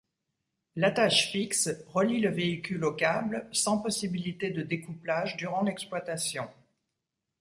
L'attache fixe relie le véhicule au câble sans possibilité de découplage durant l'exploitation.